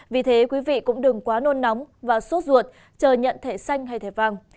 vì thế quý vị cũng đừng quá nôn nóng và sốt ruột chờ nhận thể xanh hay thể vàng